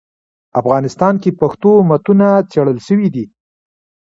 افغانستان کي پښتو متونو څېړل سوي دي.